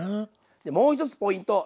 でもう一つポイント！